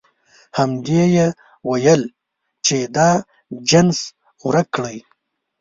همدې یې ویل چې دا نجس ورک کړئ.